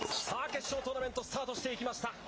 さあ、決勝トーナメント、スタートしていきました。